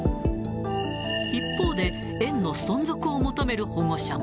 一方で、園の存続を求める保護者も。